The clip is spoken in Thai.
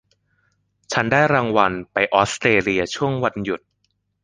ฉันได้รางวัลไปออสเตรเลียช่วงวันหยุด